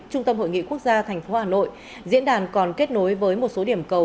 trung tâm hội nghị quốc gia tp hà nội diễn đàn còn kết nối với một số điểm cầu